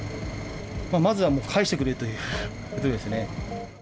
まずはもう返してくれということですね。